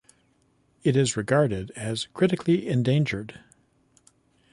It is regarded as critically endangered.